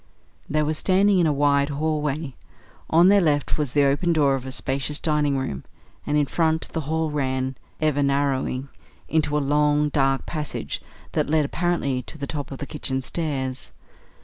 They were standing in a wide hall way; on their left was the open door of a spacious dining room, and in front the hall ran, ever narrowing, into a long, dark passage that led apparently to the top of the kitchen stairs.